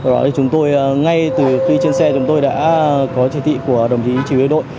rồi chúng tôi ngay từ khi trên xe chúng tôi đã có trẻ tị của đồng chí trí quyết đội